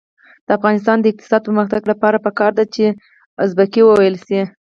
د افغانستان د اقتصادي پرمختګ لپاره پکار ده چې ازبکي وویل شي.